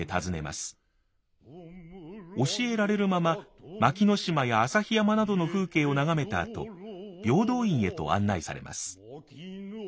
教えられるまま槇の島や朝日山などの風景を眺めたあと平等院へと案内されます。